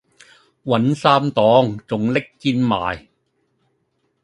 搵衫當仲拎氈賣